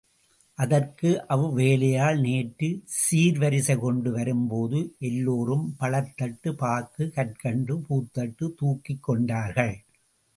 அதற்கு அவ் வேலையாள்— நேற்று சீர்வரிசை கொண்டு வரும்போது எல்லோரும், பழத்தட்டு, பாக்கு, கற்கண்டு, பூத்தட்டு தூக்கிக் கொண்டார்கள்.